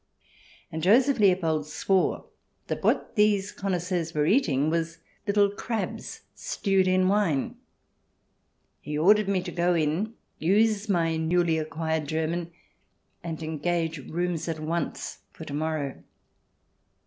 And Joseph Leopold swore that what these connoisseurs were eating was little crabs stewed in wine. He ordered me to go in, use my newly acquired German, and engage rooms at once for to morrow.